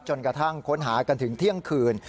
จนกระทั่งค้นหากันถึงเที่ยงคืน